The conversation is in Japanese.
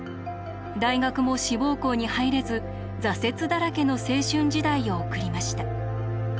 大学も志望校に入れず挫折だらけの青春時代を送りました。